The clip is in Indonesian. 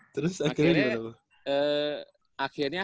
terus akhirnya gimana lu